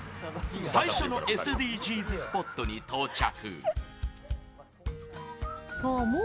最初のＳＤＧｓスポットに到着。